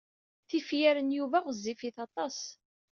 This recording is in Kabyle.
Tifyar n Yuba ɣezzifit aṭas.